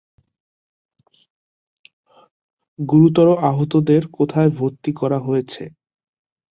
গুরুতর আহতদের কোথায় ভর্তি করা হয়েছে?